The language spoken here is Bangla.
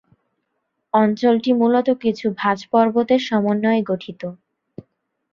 অঞ্চলটি মূলত কিছু ভাঁজ পর্বতের সমন্বয়ে গঠিত।